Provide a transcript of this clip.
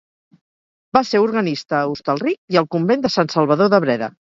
Va ser organista a Hostalric i al convent de Sant Salvador de Breda.